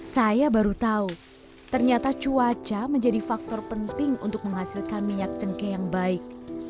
saya baru tahu ternyata cuaca menjadi faktor penting untuk menghasilkan minyak cengkeh yang baik